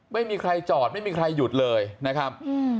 ไม่มีใครจอดไม่มีใครหยุดเลยนะครับ